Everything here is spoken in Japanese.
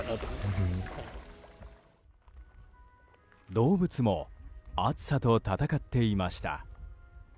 動物も暑さと戦っていました。